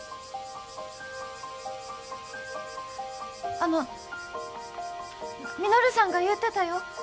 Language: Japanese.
あの稔さんが言うてたよ。